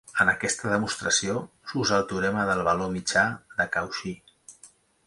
En aquesta demostració, s'usa el teorema del valor mitjà de Cauchy.